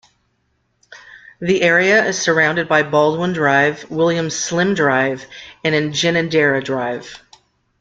The area is surrounded by Baldwin Drive, William Slim Drive and Ginninderra Drive.